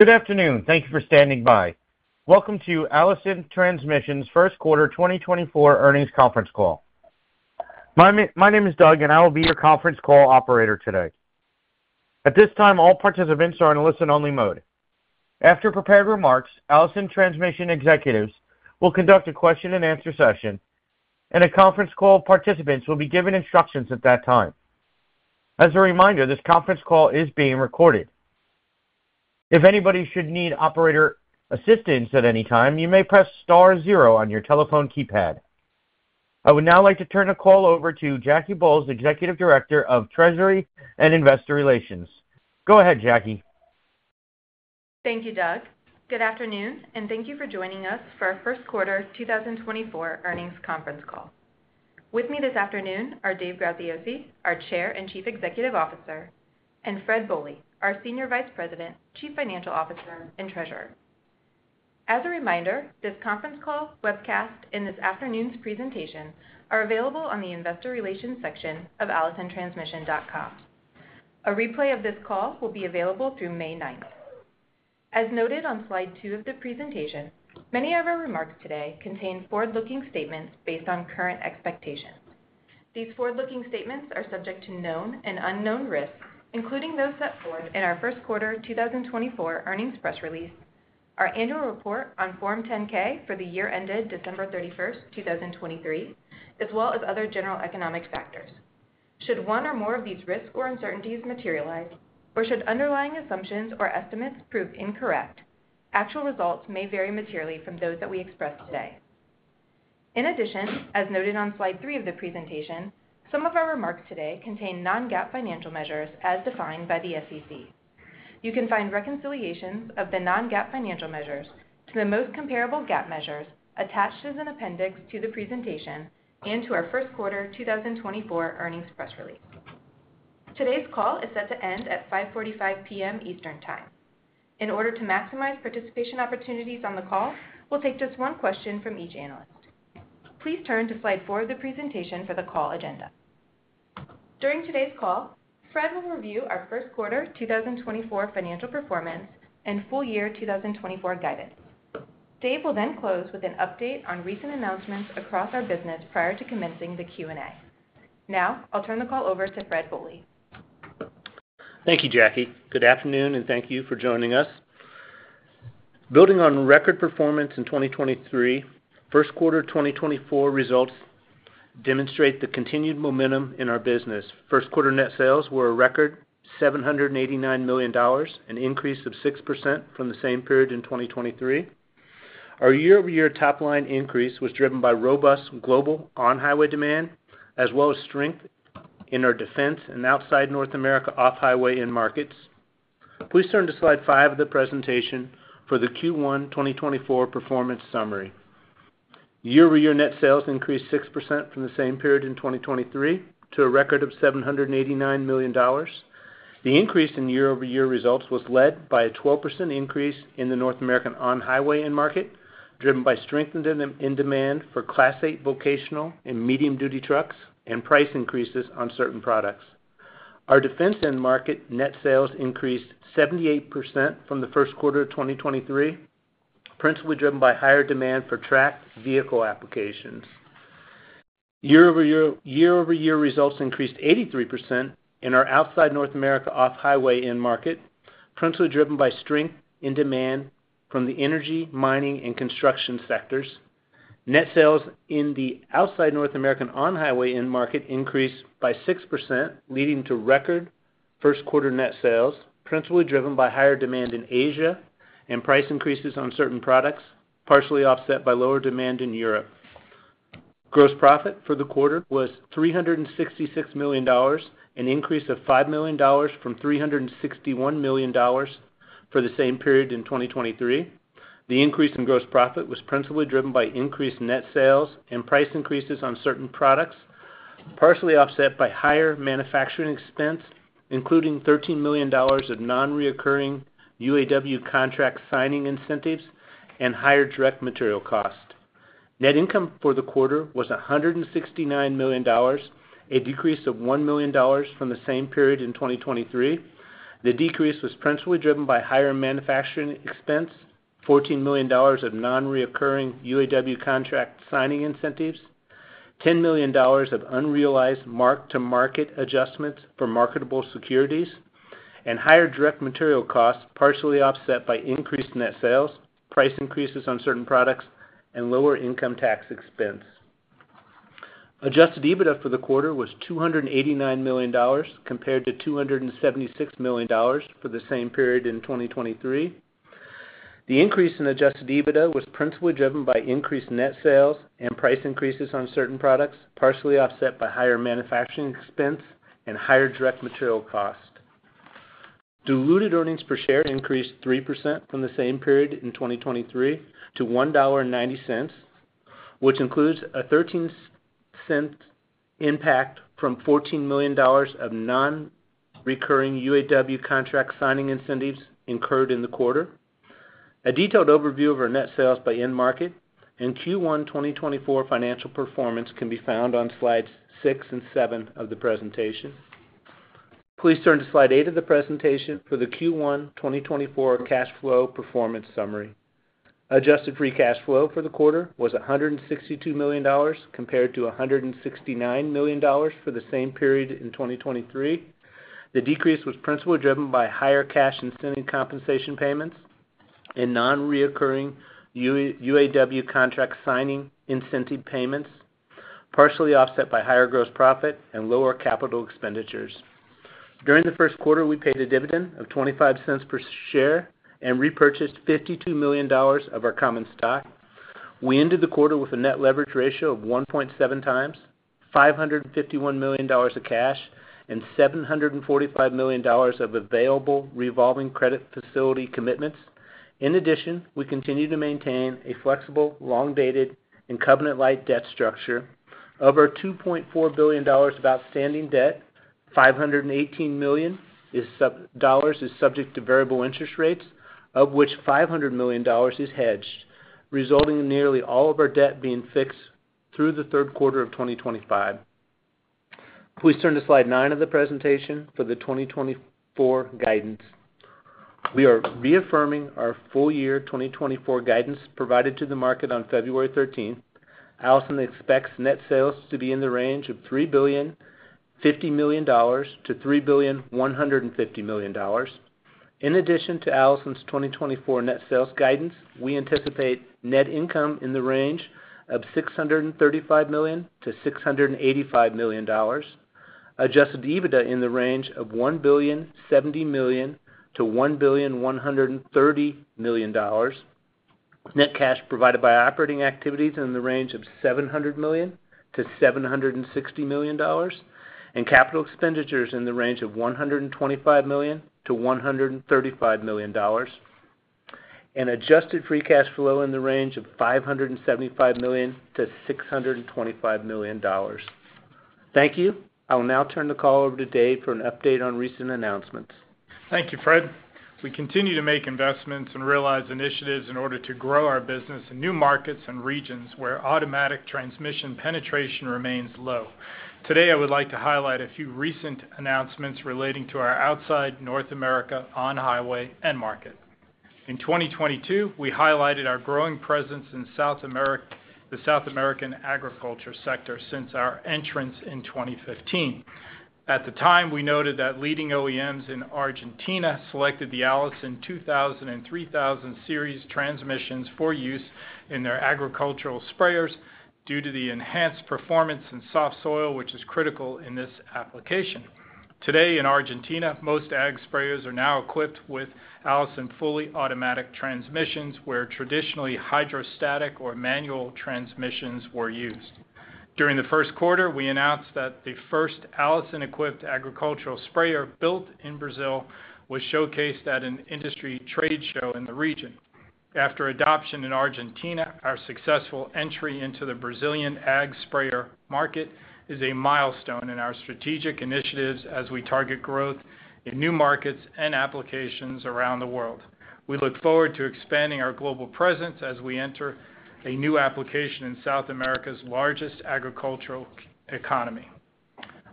Good afternoon. Thank you for standing by. Welcome to Allison Transmission's first quarter 2024 earnings conference call. My name is Doug, and I will be your conference call operator today. At this time, all participants are in listen-only mode. After prepared remarks, Allison Transmission executives will conduct a question-and-answer session, and the conference call participants will be given instructions at that time. As a reminder, this conference call is being recorded. If anybody should need operator assistance at any time, you may press star zero on your telephone keypad. I would now like to turn the call over to Jackie Bolles, Executive Director of Treasury and Investor Relations. Go ahead, Jackie. Thank you, Doug. Good afternoon, and thank you for joining us for our first quarter 2024 earnings conference call. With me this afternoon are Dave Graziosi, our Chair and Chief Executive Officer, and Fred Bohley, our Senior Vice President, Chief Financial Officer, and Treasurer. As a reminder, this conference call, webcast, and this afternoon's presentation are available on the Investor Relations section of allisontransmission.com. A replay of this call will be available through May 9th. As noted on slide two of the presentation, many of our remarks today contain forward-looking statements based on current expectations. These forward-looking statements are subject to known and unknown risks, including those set forward in our first quarter 2024 earnings press release, our annual report on Form 10-K for the year ended December 31st, 2023, as well as other general economic factors. Should one or more of these risks or uncertainties materialize, or should underlying assumptions or estimates prove incorrect, actual results may vary materially from those that we expressed today. In addition, as noted on slide three of the presentation, some of our remarks today contain non-GAAP financial measures as defined by the SEC. You can find reconciliations of the non-GAAP financial measures to the most comparable GAAP measures attached as an appendix to the presentation and to our first quarter 2024 earnings press release. Today's call is set to end at 5:45 P.M. Eastern Time. In order to maximize participation opportunities on the call, we'll take just one question from each analyst. Please turn to slide four of the presentation for the call agenda. During today's call, Fred will review our first quarter 2024 financial performance and full-year 2024 guidance. Dave will then close with an update on recent announcements across our business prior to commencing the Q&A. Now I'll turn the call over to Fred Bohley. Thank you, Jackie. Good afternoon, and thank you for joining us. Building on record performance in 2023, first quarter 2024 results demonstrate the continued momentum in our business. First quarter net sales were a record $789 million, an increase of 6% from the same period in 2023. Our year-over-year top-line increase was driven by robust global on-highway demand as well as strength in our defense and outside North America off-highway end markets. Please turn to slide five of the presentation for the Q1 2024 performance summary. Year-over-year net sales increased 6% from the same period in 2023 to a record of $789 million. The increase in year-over-year results was led by a 12% increase in the North American on-highway end market, driven by strength in demand for Class 8 vocational and medium-duty trucks and price increases on certain products. Our defense end market net sales increased 78% from the first quarter of 2023, principally driven by higher demand for tracked vehicle applications. Year-over-year results increased 83% in our outside North America off-highway end market, principally driven by strength in demand from the energy, mining, and construction sectors. Net sales in the outside North American on-highway end market increased by 6%, leading to record first quarter net sales, principally driven by higher demand in Asia and price increases on certain products, partially offset by lower demand in Europe. Gross profit for the quarter was $366 million, an increase of $5 million from $361 million for the same period in 2023. The increase in gross profit was principally driven by increased net sales and price increases on certain products, partially offset by higher manufacturing expense, including $13 million of non-recurring UAW contract signing incentives and higher direct material cost. Net income for the quarter was $169 million, a decrease of $1 million from the same period in 2023. The decrease was principally driven by higher manufacturing expense, $14 million of non-recurring UAW contract signing incentives, $10 million of unrealized mark-to-market adjustments for marketable securities, and higher direct material costs, partially offset by increased net sales, price increases on certain products, and lower income tax expense. Adjusted EBITDA for the quarter was $289 million compared to $276 million for the same period in 2023. The increase in Adjusted EBITDA was principally driven by increased net sales and price increases on certain products, partially offset by higher manufacturing expense and higher direct material cost. Diluted earnings per share increased 3% from the same period in 2023 to $1.90, which includes a $0.13 impact from $14 million of non-recurring UAW contract signing incentives incurred in the quarter. A detailed overview of our net sales by end-market and Q1 2024 financial performance can be found on slides six and seven of the presentation. Please turn to slide eight of the presentation for the Q1 2024 cash flow performance summary. Adjusted free cash flow for the quarter was $162 million compared to $169 million for the same period in 2023. The decrease was principally driven by higher cash incentive compensation payments and non-recurring UAW contract signing incentive payments, partially offset by higher gross profit and lower capital expenditures. During the first quarter, we paid a dividend of $0.25 per share and repurchased $52 million of our common stock. We ended the quarter with a net leverage ratio of 1.7x, $551 million in cash and $745 million of available revolving credit facility commitments. In addition, we continue to maintain a flexible, long-dated, covenant-lite debt structure. Of our $2.4 billion of outstanding debt, $518 million is subject to variable interest rates, of which $500 million is hedged, resulting in nearly all of our debt being fixed through the third quarter of 2025. Please turn to slide 9 of the presentation for the 2024 guidance. We are reaffirming our full-year 2024 guidance provided to the market on February 13th. Allison expects net sales to be in the range of $3,050 million-$3,150 million. In addition to Allison's 2024 net sales guidance, we anticipate net income in the range of $635 million-$685 million, Adjusted EBITDA in the range of $1,070 million-$1,130 million, net cash provided by operating activities in the range of $700 million-$760 million, and capital expenditures in the range of $125 million-$135 million, and adjusted free cash flow in the range of $575 million-$625 million. Thank you. I will now turn the call over to Dave for an update on recent announcements. Thank you, Fred. We continue to make investments and realize initiatives in order to grow our business in new markets and regions where automatic transmission penetration remains low. Today, I would like to highlight a few recent announcements relating to our outside North America on-highway end market. In 2022, we highlighted our growing presence in the South American agriculture sector since our entrance in 2015. At the time, we noted that leading OEMs in Argentina selected the Allison 2000 Series/3000 Series transmissions for use in their agricultural sprayers due to the enhanced performance in soft soil, which is critical in this application. Today, in Argentina, most ag sprayers are now equipped with Allison fully automatic transmissions, where traditionally hydrostatic or manual transmissions were used. During the first quarter, we announced that the first Allison-equipped agricultural sprayer built in Brazil was showcased at an industry trade show in the region. After adoption in Argentina, our successful entry into the Brazilian ag sprayer market is a milestone in our strategic initiatives as we target growth in new markets and applications around the world. We look forward to expanding our global presence as we enter a new application in South America's largest agricultural economy.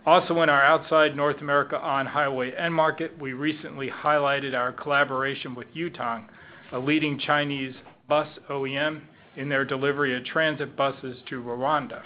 Also, in our outside North America on-highway end market, we recently highlighted our collaboration with Yutong, a leading Chinese bus OEM, in their delivery of transit buses to Rwanda.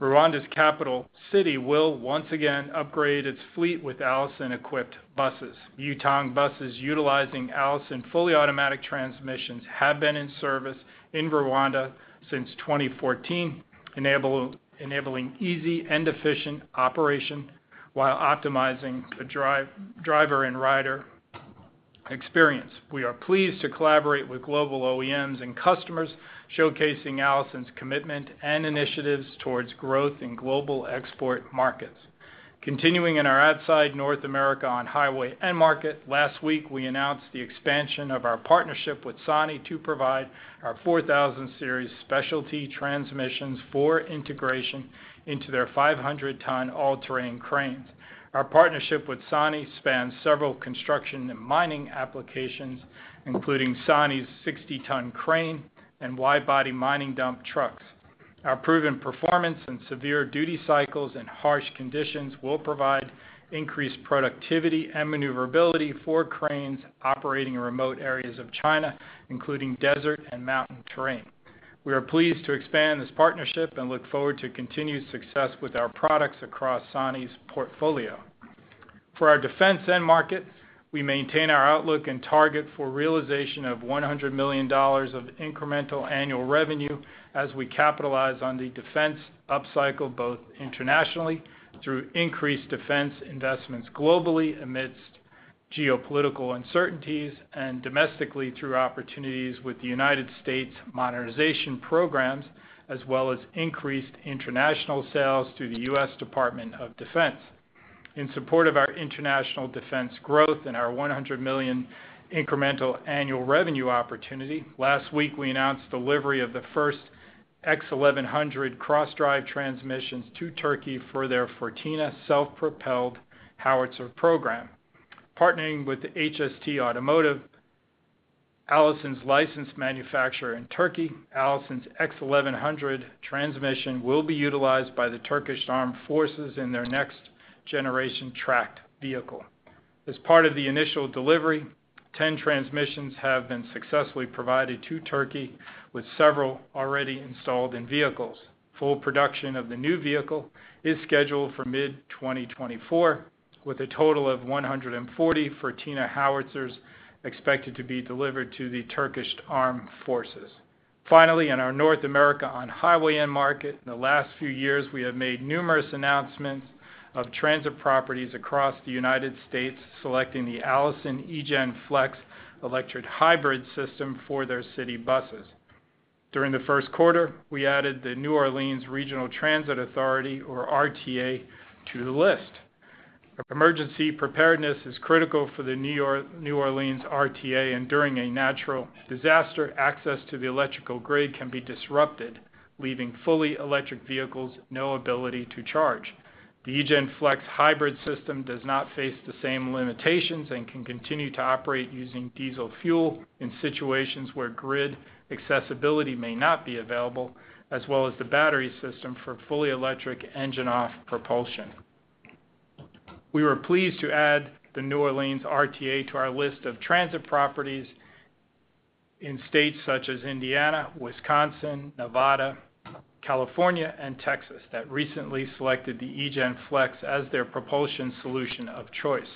Rwanda's capital city will once again upgrade its fleet with Allison-equipped buses. Yutong buses utilizing Allison fully automatic transmissions have been in service in Rwanda since 2014, enabling easy and efficient operation while optimizing the driver and rider experience. We are pleased to collaborate with global OEMs and customers, showcasing Allison's commitment and initiatives towards growth in global export markets. Continuing in our outside North America on-highway end market, last week we announced the expansion of our partnership with SANY to provide our 4000 Series specialty transmissions for integration into their 500-ton all-terrain cranes. Our partnership with SANY spans several construction and mining applications, including SANY's 60-ton crane and wide-body mining dump trucks. Our proven performance and severe duty cycles in harsh conditions will provide increased productivity and maneuverability for cranes operating in remote areas of China, including desert and mountain terrain. We are pleased to expand this partnership and look forward to continued success with our products across SANY's portfolio. For our defense end market, we maintain our outlook and target for realization of $100 million of incremental annual revenue as we capitalize on the defense upcycle both internationally through increased defense investments globally amidst geopolitical uncertainties and domestically through opportunities with the United States modernization programs, as well as increased international sales through the U.S. Department of Defense. In support of our international defense growth and our $100 million incremental annual revenue opportunity, last week we announced delivery of the first X1100 Cross-Drive transmissions to Turkey for their Fırtına self-propelled Howitzer program. Partnering with HST Otomotiv, Allison's licensed manufacturer in Turkey, Allison's X1100 transmission will be utilized by the Turkish Armed Forces in their next-generation tracked vehicle. As part of the initial delivery, 10 transmissions have been successfully provided to Turkey with several already installed in vehicles. Full production of the new vehicle is scheduled for mid-2024, with a total of 140 Fırtına Howitzers expected to be delivered to the Turkish Armed Forces. Finally, in our North America on-highway end market, in the last few years we have made numerous announcements of transit properties across the United States, selecting the Allison eGen Flex electric hybrid system for their city buses. During the first quarter, we added the New Orleans Regional Transit Authority, or RTA, to the list. Emergency preparedness is critical for the New Orleans RTA, and during a natural disaster, access to the electrical grid can be disrupted, leaving fully electric vehicles no ability to charge. The eGen Flex hybrid system does not face the same limitations and can continue to operate using diesel fuel in situations where grid accessibility may not be available, as well as the battery system for fully electric engine-off propulsion. We were pleased to add the New Orleans RTA to our list of transit properties in states such as Indiana, Wisconsin, Nevada, California, and Texas that recently selected the eGen Flex as their propulsion solution of choice.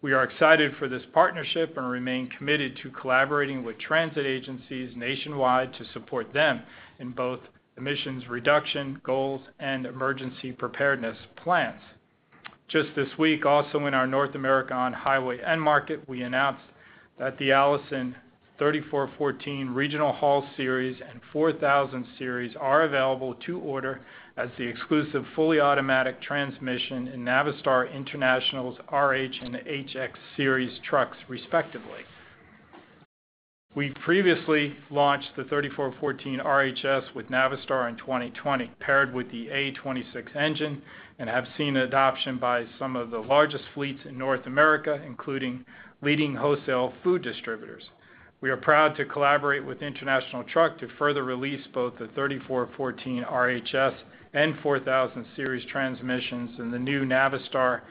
We are excited for this partnership and remain committed to collaborating with transit agencies nationwide to support them in both emissions reduction goals and emergency preparedness plans. Just this week, also in our North America on-highway end market, we announced that the Allison 3414 Regional Haul Series and 4000 Series are available to order as the exclusive fully automatic transmission in Navistar International's RH and HX Series trucks, respectively. We previously launched the 3414 RHS with Navistar in 2020, paired with the A26 engine, and have seen adoption by some of the largest fleets in North America, including leading wholesale food distributors. We are proud to collaborate with International Truck to further release both the 3414 RHS and 4000 Series transmissions and the new Navistar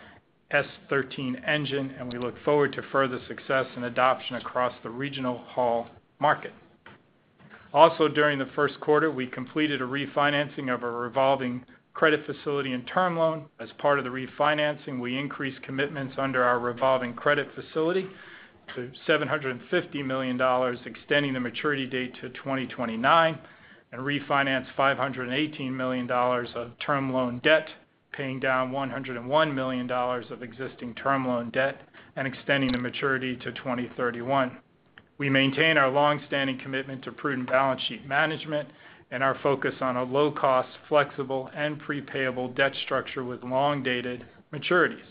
S13 engine, and we look forward to further success and adoption across the Regional Haul market. Also, during the first quarter, we completed a refinancing of a revolving credit facility and term loan. As part of the refinancing, we increased commitments under our revolving credit facility to $750 million, extending the maturity date to 2029, and refinanced $518 million of term loan debt, paying down $101 million of existing term loan debt and extending the maturity to 2031. We maintain our longstanding commitment to prudent balance sheet management and our focus on a low-cost, flexible, and prepayable debt structure with long-dated maturities.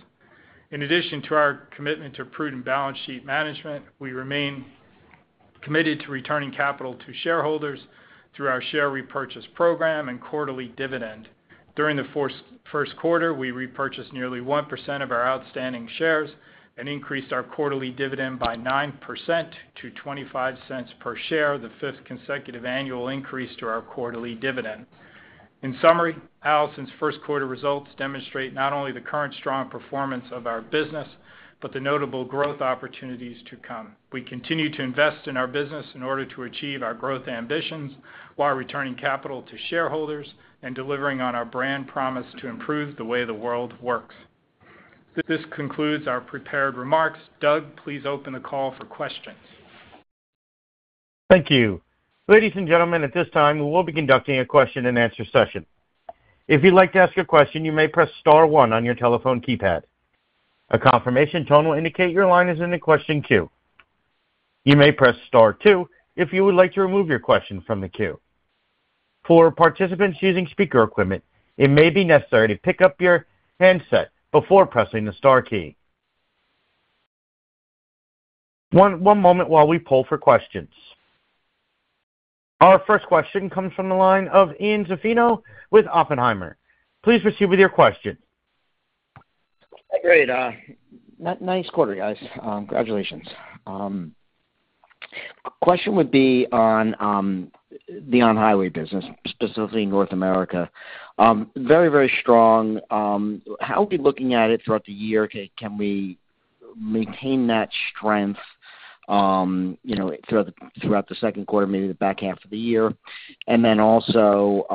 In addition to our commitment to prudent balance sheet management, we remain committed to returning capital to shareholders through our share repurchase program and quarterly dividend. During the first quarter, we repurchased nearly 1% of our outstanding shares and increased our quarterly dividend by 9% to $0.25 per share, the fifth consecutive annual increase to our quarterly dividend. In summary, Allison's first quarter results demonstrate not only the current strong performance of our business but the notable growth opportunities to come. We continue to invest in our business in order to achieve our growth ambitions while returning capital to shareholders and delivering on our brand promise to improve the way the world works. This concludes our prepared remarks. Doug, please open the call for questions. Thank you. Ladies and gentlemen, at this time, we will be conducting a question-and-answer session. If you'd like to ask a question, you may press star one on your telephone keypad. A confirmation tone will indicate your line is in the question queue. You may press star two if you would like to remove your question from the queue. For participants using speaker equipment, it may be necessary to pick up your handset before pressing the star key. One moment while we pull for questions. Our first question comes from the line of Ian Zaffino with Oppenheimer. Please proceed with your question. Great. Nice quarter, guys. Congratulations. Question would be on the on-highway business, specifically North America. Very, very strong. How are we looking at it throughout the year? Can we maintain that strength throughout the second quarter, maybe the back half of the year? And then also,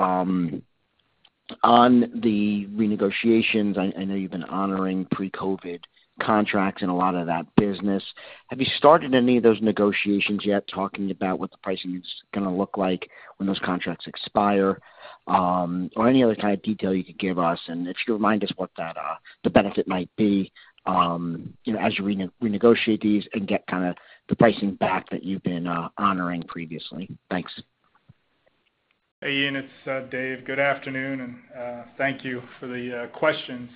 on the renegotiations, I know you've been honoring pre-COVID contracts in a lot of that business. Have you started any of those negotiations yet, talking about what the pricing is going to look like when those contracts expire, or any other kind of detail you could give us? And if you could remind us what the benefit might be as you renegotiate these and get kind of the pricing back that you've been honoring previously. Thanks. Hey, Ian. It's Dave. Good afternoon, and thank you for the questions.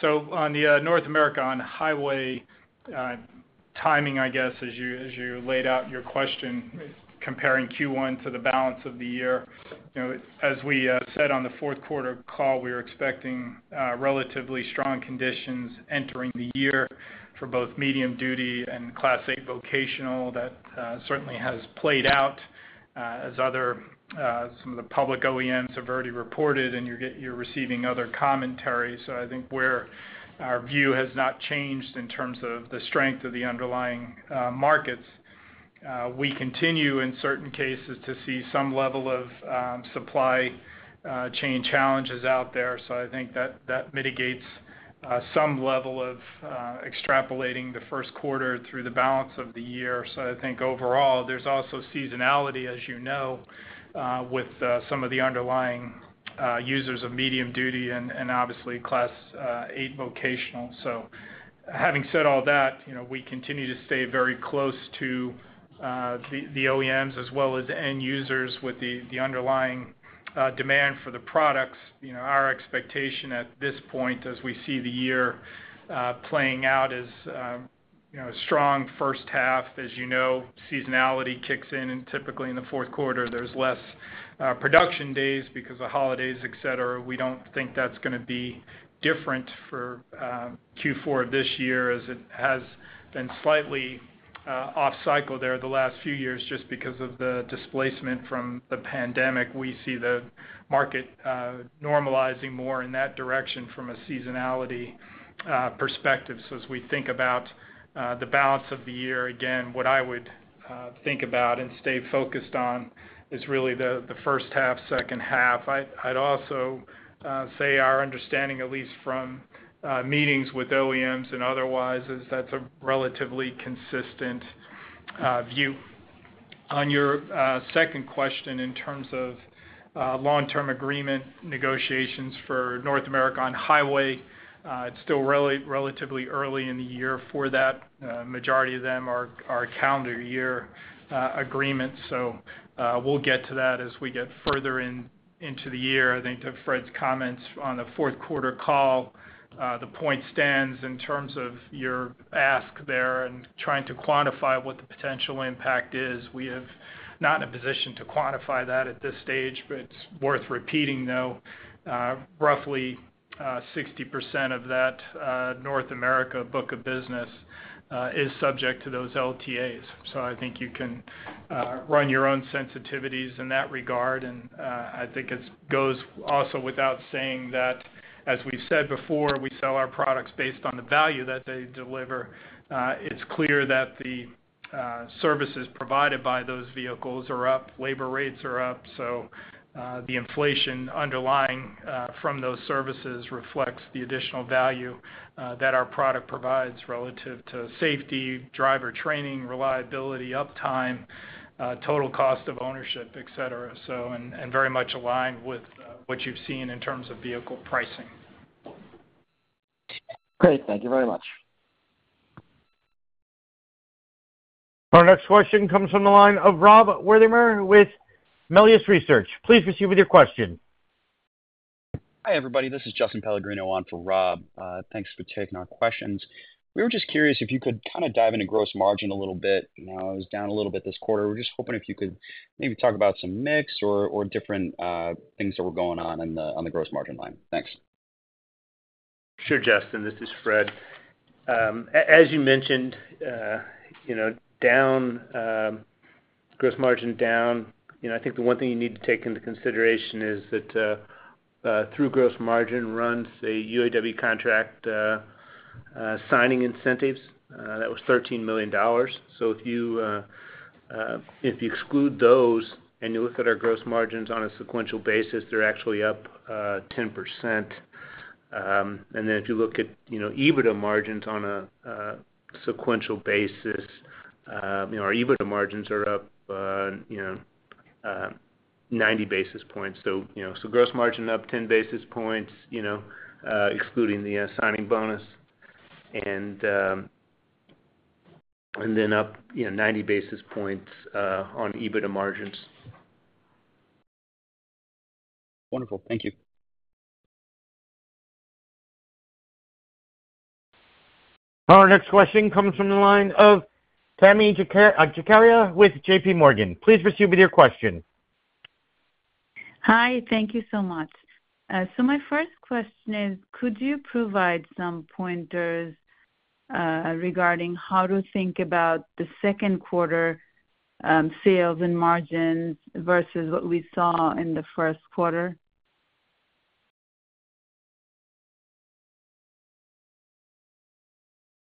So, on the North America on-highway timing, I guess, as you laid out your question, comparing Q1 to the balance of the year, as we said on the fourth quarter call, we were expecting relatively strong conditions entering the year for both medium-duty and Class 8 vocational. That certainly has played out, as some of the public OEMs have already reported, and you're receiving other commentary. So, I think where our view has not changed in terms of the strength of the underlying markets, we continue, in certain cases, to see some level of supply chain challenges out there. So, I think that mitigates some level of extrapolating the first quarter through the balance of the year. So, I think overall, there's also seasonality, as you know, with some of the underlying users of medium-duty and, obviously, Class 8 vocational. So, having said all that, we continue to stay very close to the OEMs as well as end users with the underlying demand for the products. Our expectation at this point, as we see the year playing out, is a strong first half. As you know, seasonality kicks in, and typically in the fourth quarter, there's less production days because of holidays, etc. We don't think that's going to be different for Q4 of this year, as it has been slightly off-cycle there the last few years just because of the displacement from the pandemic. We see the market normalizing more in that direction from a seasonality perspective. So, as we think about the balance of the year, again, what I would think about and stay focused on is really the first half, second half. I'd also say our understanding, at least from meetings with OEMs and otherwise, is that's a relatively consistent view. On your second question, in terms of long-term agreement negotiations for North America on-highway, it's still relatively early in the year for that. The majority of them are calendar year agreements. So, we'll get to that as we get further into the year. I think to Fred's comments on the fourth quarter call, the point stands in terms of your ask there and trying to quantify what the potential impact is. We are not in a position to quantify that at this stage, but it's worth repeating, though. Roughly 60% of that North America book of business is subject to those LTAs. So, I think you can run your own sensitivities in that regard. And I think it goes also without saying that, as we've said before, we sell our products based on the value that they deliver. It's clear that the services provided by those vehicles are up. Labor rates are up. So, the inflation underlying from those services reflects the additional value that our product provides relative to safety, driver training, reliability, uptime, total cost of ownership, etc., and very much aligned with what you've seen in terms of vehicle pricing. Great. Thank you very much. Our next question comes from the line of Rob Wertheimer with Melius Research. Please proceed with your question. Hi, everybody. This is Justin Pellegrino on for Rob. Thanks for taking our questions. We were just curious if you could kind of dive into gross margin a little bit. It was down a little bit this quarter. We're just hoping if you could maybe talk about some mix or different things that were going on on the gross margin line. Thanks. Sure, Justin. This is Fred. As you mentioned, gross margin down. I think the one thing you need to take into consideration is that through gross margin runs a UAW contract signing incentives. That was $13 million. So, if you exclude those and you look at our gross margins on a sequential basis, they're actually up 10%. And then if you look at EBITDA margins on a sequential basis, our EBITDA margins are up 90 basis points. So, gross margin up 10 basis points, excluding the signing bonus, and then up 90 basis points on EBITDA margins. Wonderful. Thank you. Our next question comes from the line of Tami Zakaria with JPMorgan. Please proceed with your question. Hi. Thank you so much. So, my first question is, could you provide some pointers regarding how to think about the second quarter sales and margins versus what we saw in the first quarter?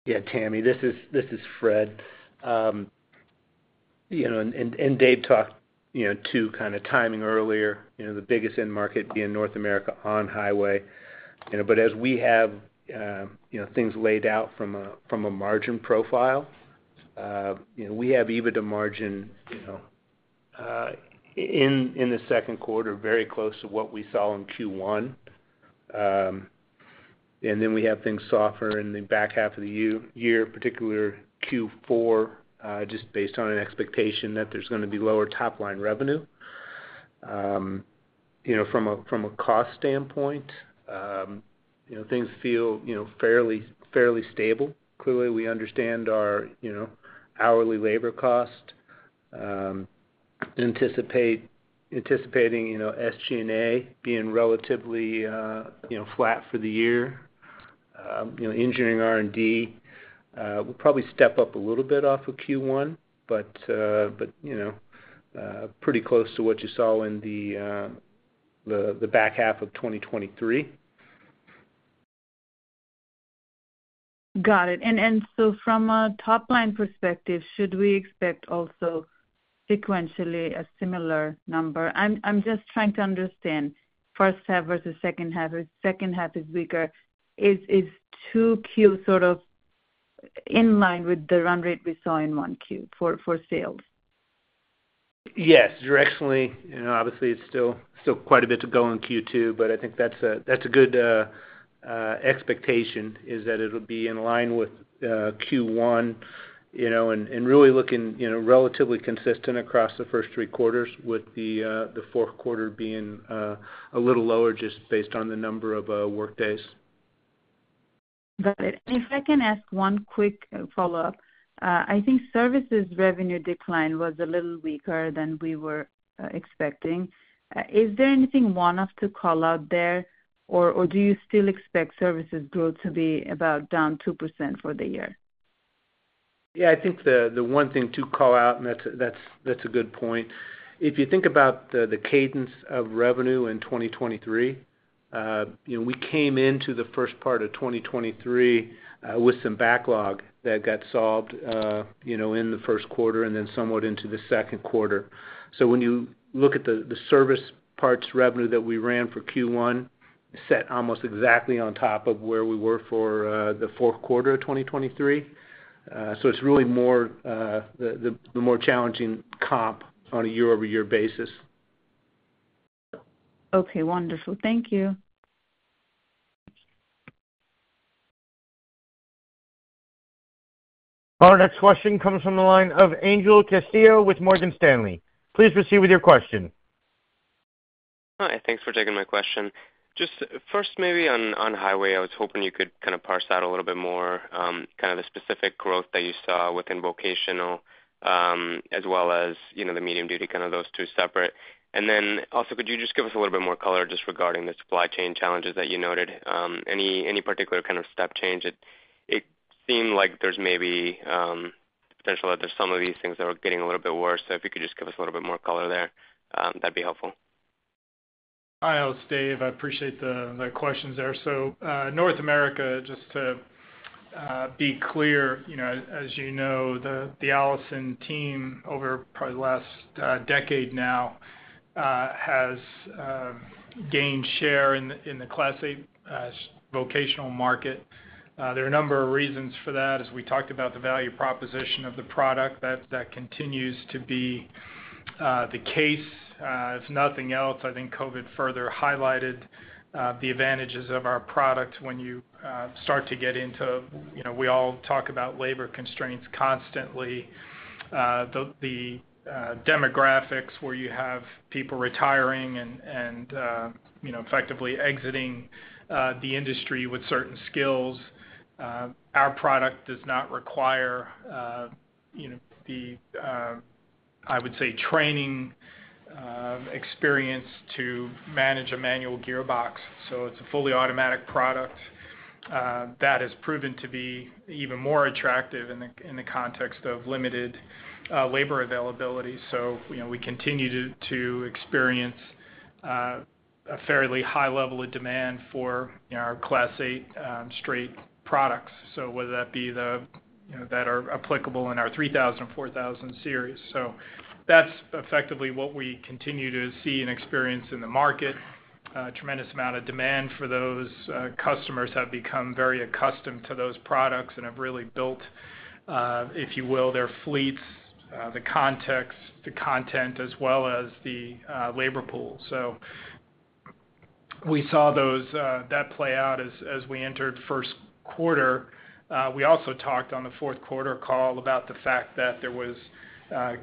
Yeah, Tami. This is Fred. And Dave talked too kind of timing earlier, the biggest in-market being North America on-highway. But as we have things laid out from a margin profile, we have EBITDA margin in the second quarter very close to what we saw in Q1. And then we have things softer in the back half of the year, particularly Q4, just based on an expectation that there's going to be lower top-line revenue. From a cost standpoint, things feel fairly stable. Clearly, we understand our hourly labor cost, anticipating SG&A being relatively flat for the year. Engineering R&D will probably step up a little bit off of Q1, but pretty close to what you saw in the back half of 2023. Got it. And so, from a top-line perspective, should we expect also sequentially a similar number? I'm just trying to understand, first half versus second half. If second half is weaker, is 2Q sort of in line with the run rate we saw in 1Q for sales? Yes, directionally. Obviously, it's still quite a bit to go in Q2, but I think that's a good expectation, is that it'll be in line with Q1 and really looking relatively consistent across the first three quarters, with the fourth quarter being a little lower just based on the number of workdays. Got it. If I can ask one quick follow-up, I think services revenue decline was a little weaker than we were expecting. Is there anything one-off to call out there, or do you still expect services growth to be about down 2% for the year? Yeah, I think the one thing to call out, and that's a good point, if you think about the cadence of revenue in 2023, we came into the first part of 2023 with some backlog that got solved in the first quarter and then somewhat into the second quarter. So, when you look at the service parts revenue that we ran for Q1, it sat almost exactly on top of where we were for the fourth quarter of 2023. So, it's really the more challenging comp on a year-over-year basis. Okay. Wonderful. Thank you. Our next question comes from the line of Angel Castillo with Morgan Stanley. Please proceed with your question. Hi. Thanks for taking my question. Just first, maybe on-highway, I was hoping you could kind of parse out a little bit more kind of the specific growth that you saw within vocational as well as the medium-duty, kind of those two separate. And then also, could you just give us a little bit more color just regarding the supply chain challenges that you noted? Any particular kind of step change? It seemed like there's maybe the potential that there's some of these things that are getting a little bit worse. So, if you could just give us a little bit more color there, that'd be helpful. Hi. I'm Dave. I appreciate the questions there. So, North America, just to be clear, as you know, the Allison team over probably the last decade now has gained share in the Class 8 vocational market. There are a number of reasons for that. As we talked about, the value proposition of the product, that continues to be the case. If nothing else, I think COVID further highlighted the advantages of our product when you start to get into we all talk about labor constraints constantly. The demographics where you have people retiring and effectively exiting the industry with certain skills, our product does not require the, I would say, training experience to manage a manual gearbox. So, it's a fully automatic product that has proven to be even more attractive in the context of limited labor availability. So, we continue to experience a fairly high level of demand for our Class 8 straight products, whether that be that are applicable in our 3000, 4000 Series. So, that's effectively what we continue to see and experience in the market. A tremendous amount of demand for those. Customers have become very accustomed to those products and have really built, if you will, their fleets, the context, the content, as well as the labor pool. So, we saw that play out as we entered first quarter. We also talked on the fourth quarter call about the fact that there was a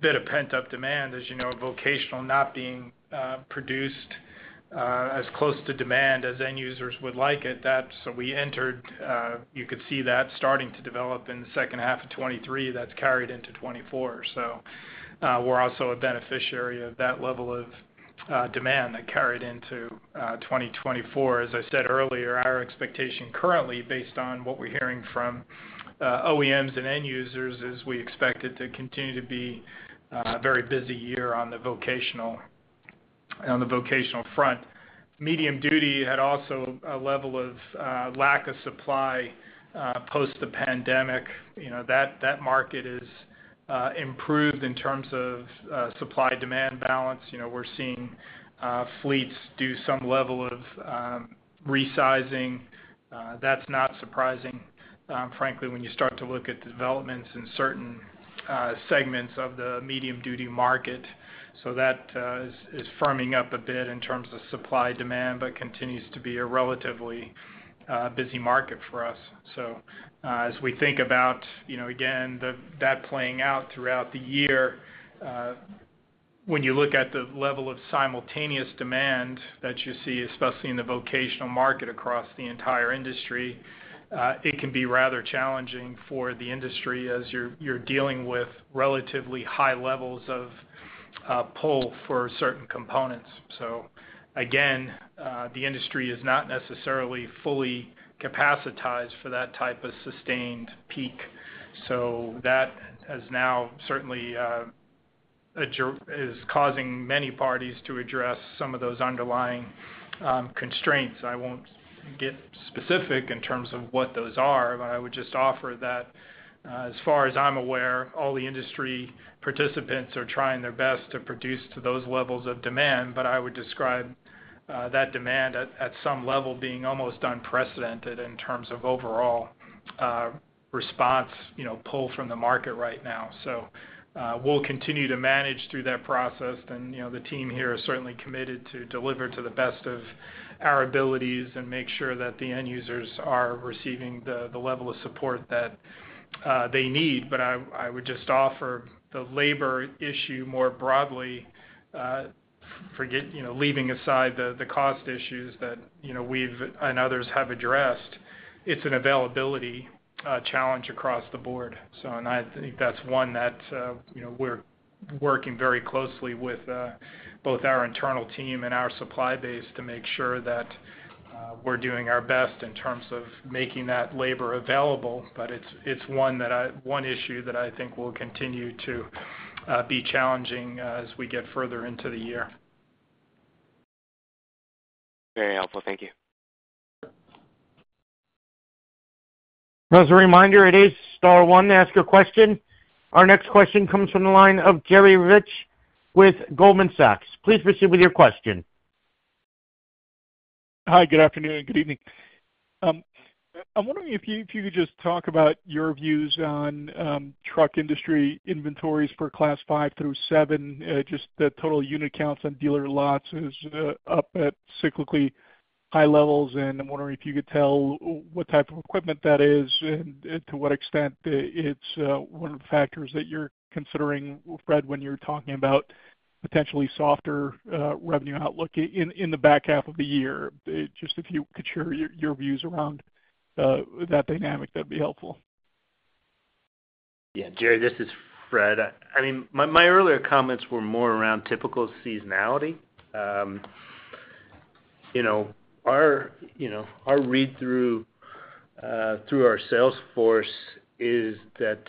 bit of pent-up demand. As you know, vocational not being produced as close to demand as end users would like it, so entering, you could see that starting to develop in the second half of 2023. That's carried into 2024. So, we're also a beneficiary of that level of demand that carried into 2024. As I said earlier, our expectation currently, based on what we're hearing from OEMs and end users, is we expect it to continue to be a very busy year on the vocational front. Medium-duty had also a level of lack of supply post-pandemic. That market has improved in terms of supply-demand balance. We're seeing fleets do some level of resizing. That's not surprising, frankly, when you start to look at the developments in certain segments of the medium-duty market. So, that is firming up a bit in terms of supply-demand but continues to be a relatively busy market for us. As we think about, again, that playing out throughout the year, when you look at the level of simultaneous demand that you see, especially in the vocational market across the entire industry, it can be rather challenging for the industry as you're dealing with relatively high levels of pull for certain components. Again, the industry is not necessarily fully capacitated for that type of sustained peak. That has now certainly caused many parties to address some of those underlying constraints. I won't get specific in terms of what those are, but I would just offer that, as far as I'm aware, all the industry participants are trying their best to produce to those levels of demand. But I would describe that demand at some level being almost unprecedented in terms of overall response, pull from the market right now. We'll continue to manage through that process. The team here is certainly committed to deliver to the best of our abilities and make sure that the end users are receiving the level of support that they need. But I would just offer the labor issue more broadly, leaving aside the cost issues that we've, and others, have addressed; it's an availability challenge across the board. And I think that's one that we're working very closely with both our internal team and our supply base to make sure that we're doing our best in terms of making that labor available. But it's one issue that I think will continue to be challenging as we get further into the year. Very helpful. Thank you. That was a reminder. It is star one to ask your question. Our next question comes from the line of Jerry Revich with Goldman Sachs. Please proceed with your question. Hi. Good afternoon. Good evening. I'm wondering if you could just talk about your views on truck industry inventories for Class 5 through 7. Just the total unit counts on dealer lots is up at cyclically high levels. I'm wondering if you could tell what type of equipment that is and to what extent it's one of the factors that you're considering, Fred, when you're talking about potentially softer revenue outlook in the back half of the year. Just if you could share your views around that dynamic, that'd be helpful. Yeah. Jerry, this is Fred. I mean, my earlier comments were more around typical seasonality. Our read-through through our sales force is that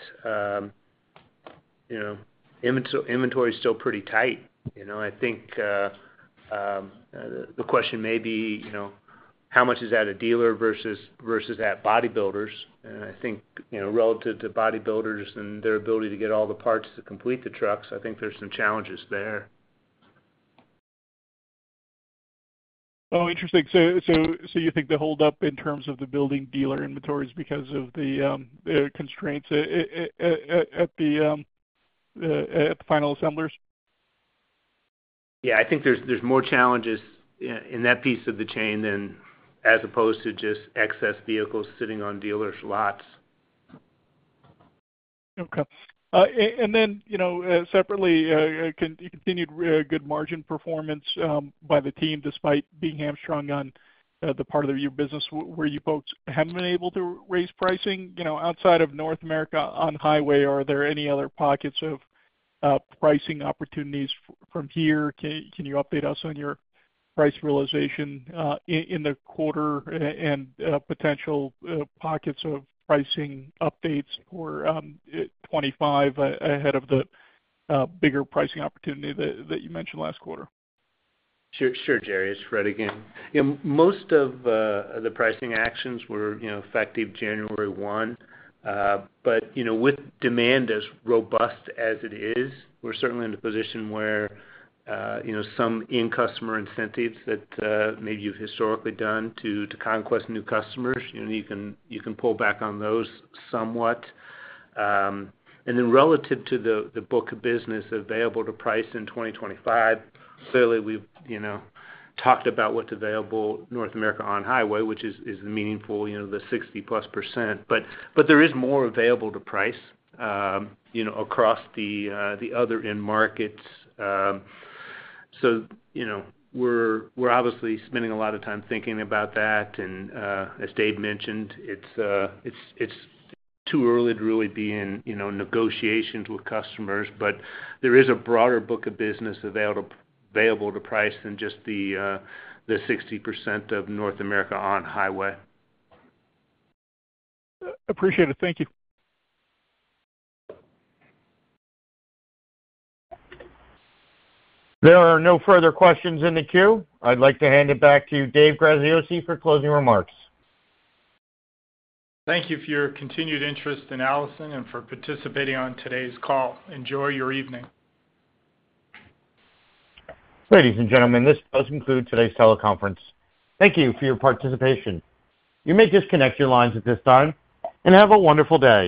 inventory is still pretty tight. I think the question may be, how much is at a dealer versus at bodybuilders? And I think relative to bodybuilders and their ability to get all the parts to complete the trucks, I think there's some challenges there. Oh, interesting. So, you think the holdup in terms of the building dealer inventory is because of the constraints at the final assemblers? Yeah. I think there's more challenges in that piece of the chain than as opposed to just excess vehicles sitting on dealers' lots. Okay. Then separately, continued good margin performance by the team despite being hamstrung on the part of your business where you folks have been able to raise pricing. Outside of North America on-highway, are there any other pockets of pricing opportunities from here? Can you update us on your price realization in the quarter and potential pockets of pricing updates for 2025 ahead of the bigger pricing opportunity that you mentioned last quarter? Sure, Jerry. It's Fred again. Most of the pricing actions were effective January 1. But with demand as robust as it is, we're certainly in a position where some end customer incentives that maybe you've historically done to conquest new customers, you can pull back on those somewhat. And then relative to the book of business available to price in 2025, clearly, we've talked about what's available North America on highway, which is meaningful, the 60%+. But there is more available to price across the other end markets. So, we're obviously spending a lot of time thinking about that. And as Dave mentioned, it's too early to really be in negotiations with customers. But there is a broader book of business available to price than just the 60% of North America on highway. Appreciate it. Thank you. There are no further questions in the queue. I'd like to hand it back to you, Dave Graziosi, for closing remarks. Thank you for your continued interest in Allison and for participating on today's call. Enjoy your evening. Ladies and gentlemen, this does conclude today's teleconference. Thank you for your participation. You may disconnect your lines at this time and have a wonderful day.